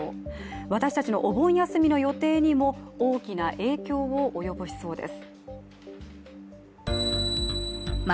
私たちのお盆休みの予定にも大きな影響を及ぼしそうです。